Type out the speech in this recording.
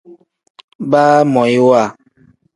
Baamoyiwa.